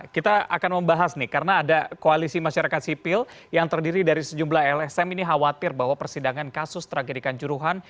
kita akan membahas nih karena ada koalisi masyarakat sipil yang terdiri dari sejumlah lsm ini khawatir bahwa persidangan kasus tragedikan juruhan